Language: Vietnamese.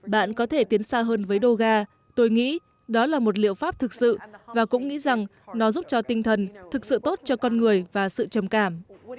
bạn có thể tiến xa hơn với do tôi nghĩ đó là một liệu pháp thực sự và cũng nghĩ rằng nó giúp cho tinh thần thực sự tốt cho con người và sự trầm cảm